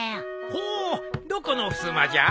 ほうどこのふすまじゃ？